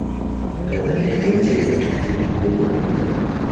tanzania ni nchi yenye utajiri mkubwa wa madini